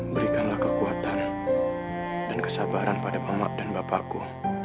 berikanlah kekuatan dan kesabaran pada mama dan bapakku